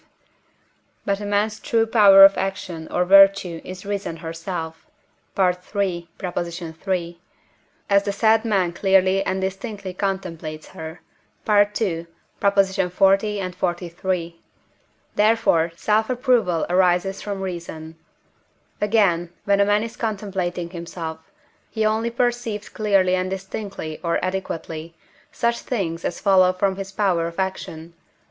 But a man's true power of action or virtue is reason herself (III. iii.), as the said man clearly and distinctly contemplates her (II. xl. xliii.); therefore self approval arises from reason. Again, when a man is contemplating himself, he only perceived clearly and distinctly or adequately, such things as follow from his power of action (III.